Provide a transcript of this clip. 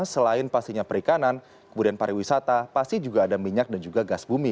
selain pastinya perikanan kemudian pariwisata pasti juga ada minyak dan juga gas bumi